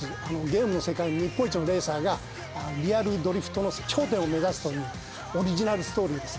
ゲームの世界の日本一のレーサーがリアルドリフトの頂点を目指すというオリジナルストーリーです。